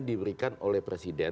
diberikan oleh presiden